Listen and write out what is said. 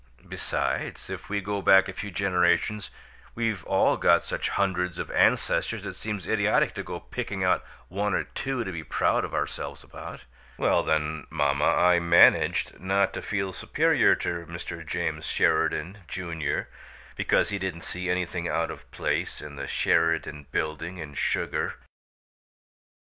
Besides, if we go back a few generations, we've all got such hundreds of ancestors it seems idiotic to go picking out one or two to be proud of ourselves about. Well, then, mamma, I managed not to feel superior to Mr. James Sheridan, Junior, because he didn't see anything out of place in the Sheridan Building in sugar."